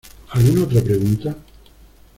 ¿ alguna otra pregunta?